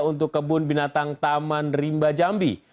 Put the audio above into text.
untuk kebun binatang taman rimba jambi